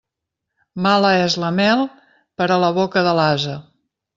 Mala és la mel per a la boca de l'ase.